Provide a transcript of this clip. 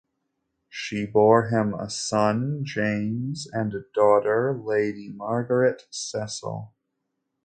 She bore him a son James and a daughter Lady Margaret Cecil.